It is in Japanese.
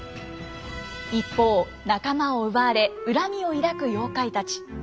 一方仲間を奪われ恨みを抱く妖怪たち。